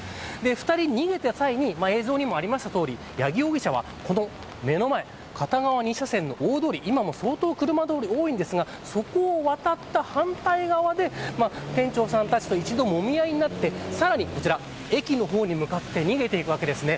２人が逃げた際に映像にもありましたとおり八木容疑者はこの目の前片側２車線の大通り今も相当、車通り多いですがそこを渡った反対側で店長さん達と一度もみ合いになってさらにこちら、駅の方に向かって逃げていくわけですね。